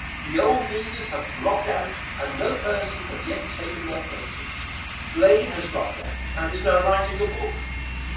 The old leaders have dropped out and no persons have yet taken their places. Blaine has dropped out, and is now writing a book.